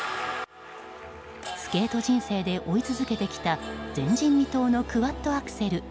スケート人生で追い続けてきた前人未到のクワッドアクセル